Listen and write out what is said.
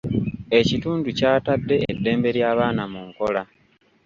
Ekitundu kyatadde eddembe ly'abaana mu nkola.